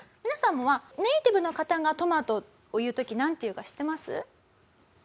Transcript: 皆さんはネイティブの方が「トマト」を言う時なんて言うか知ってます？